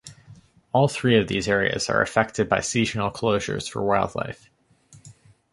All three of these areas are affected by seasonal closures for wildlife.